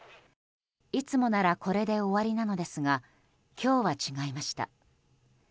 いつもならこれで終わりなのですが今日は違いました。